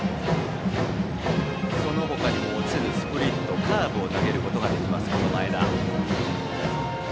その他にも落ちるスプリットカーブを投げることができる前田。